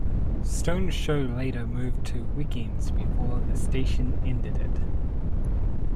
Stone's show later moved to weekends before the station ended it.